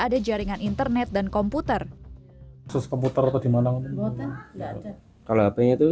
ada jaringan internet dan komputer sesuai komputer atau gimana untuk membuatnya enggak ada kalau